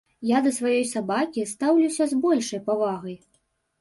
Я да сваёй сабакі стаўлюся з большай павагай.